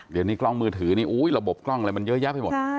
เดี๋ยวนี้กล้องมือถือนี่ระบบกล้องอะไรมันเยอะแยะไปหมด